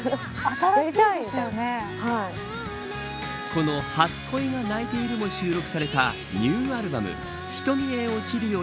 この、初恋が泣いているも収録されたニューアルバム瞳へ落ちるよ